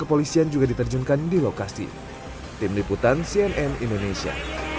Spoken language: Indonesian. kepolisian juga diterjunkan di lokasi tim liputan cnn indonesia